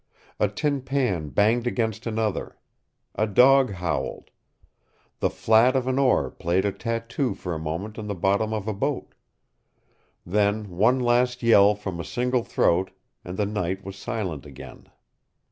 A tin pan banged against another. A dog howled. The flat of an oar played a tattoo for a moment on the bottom of a boat. Then one last yell from a single throat and the night was silent again.